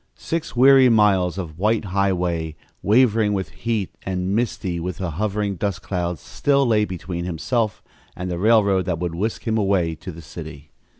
Six weary miles of white highway, wavering with heat and misty with hovering dust clouds, still lay between himself and the railroad that would whisk him away to the city.